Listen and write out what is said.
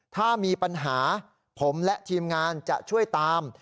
ถ้ามีปัญหาผมและทีมงานจะช่วยตาม